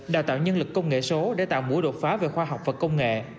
đào tạo nhân lực công nghệ số để tạo mũi đột phá về khoa học và công nghệ